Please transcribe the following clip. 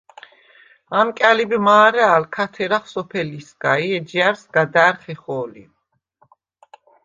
ამკა̈ლიბ მა̄რა̄̈ლ ქა თერახ სოფელისგა ი ეჯჲა̈რს სგა და̄̈რ ხეხო̄ლი.